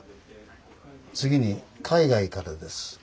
「次に海外からです。